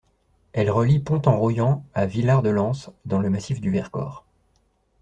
Elles relient Pont-en-Royans à Villard-de-Lans dans le massif du Vercors.